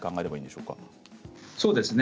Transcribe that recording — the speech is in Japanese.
そうですね。